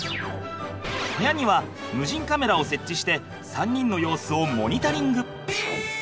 部屋には無人カメラを設置して３人の様子をモニタリング。